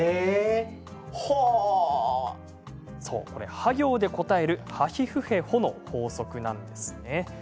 は行で答えるはひふへほの法則なんです。